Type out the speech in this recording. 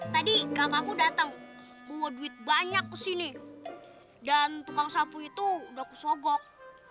tadi ikam aku datang buat duit banyak ke sini dan tukang sapu itu sudah kusogok